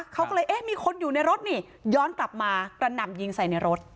เขาก็เลยเอ๊ะมีคนอยู่ในรถนี่ย้อนกลับมากระหน่ำยิงใส่ในรถ